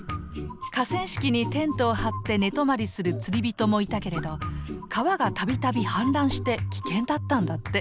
河川敷にテントを張って寝泊りする釣り人もいたけれど川がたびたび氾濫して危険だったんだって。